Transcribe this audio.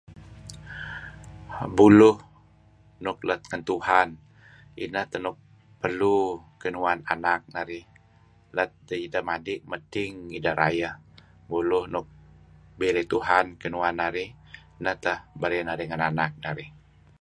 Buluh let ngan Tuhan ineh teh nuk perlu kinuan anak narih' let idah madi medting idah rayeh. Buluh nuk birey Tuhan kenuan narih neh teh berey narih ngan anak narih.